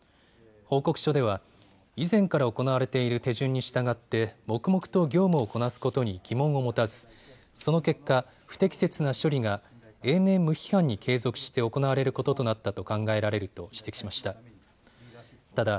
報告書では以前から行われている手順に従って黙々と業務をこなすことに疑問を持たずその結果、不適切な処理が永年無批判に継続して行われることとなったと考えられると指摘しました。